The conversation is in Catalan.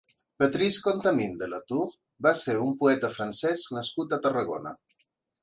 Patrice Contamine de Latour va ser un poeta francès nascut a Tarragona.